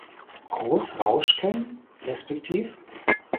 Groß Rauschken resp.